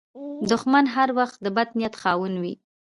دښمن هر وخت د بد نیت خاوند وي